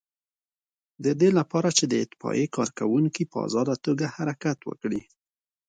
د دې لپاره چې د اطفائیې کارکوونکي په آزاده توګه حرکت وکړي.